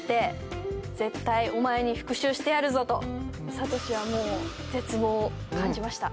聡はもう絶望を感じました。